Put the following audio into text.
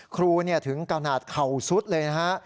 ครูถึงกระหนาจเข่าสุดเลยนะฮะ